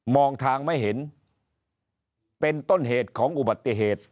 องทางไม่เห็นเป็นต้นเหตุของอุบัติเหตุ